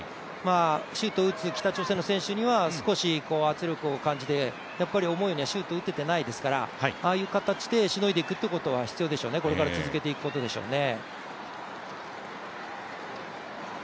シュートを打つ北朝鮮の選手には少し圧力という感じで、思うようなシュートが打てていないですから、ああいう形でしのいでいくことは必要でしょぅね、これから続けていくでしょうね。